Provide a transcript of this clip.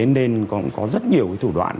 nên cũng có rất nhiều thủ đoạn